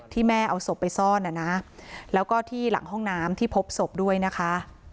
แม่เอาศพไปซ่อนแล้วก็ที่หลังห้องน้ำที่พบศพด้วยนะคะ